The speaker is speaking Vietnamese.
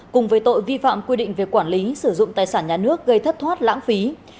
cùng với tội vi phạm quy định về quản lý sử dụng tài sản nhà nước gây thất thoát lãng phí